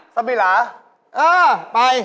เป็นไง